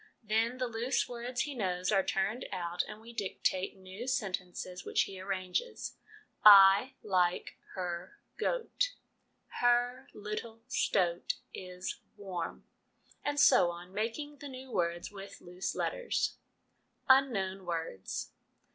Then the loose words he knows are turned out, and we dictate new sentences, which he arranges :' I like her goat ';' her little stoat is warm,' and so on, making the new words with loose letters. Unknown Words.